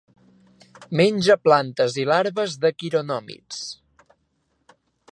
Menja plantes i larves de quironòmids.